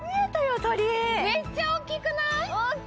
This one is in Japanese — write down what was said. めっちゃ大きくない？